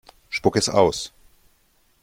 Spuck es aus!